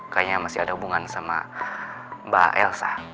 kayaknya masih ada hubungan sama mbak elsa